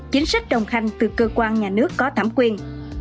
chính sách đồng hành từ cơ quan nhà nước có thẩm quyền